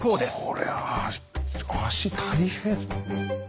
こりゃ足大変。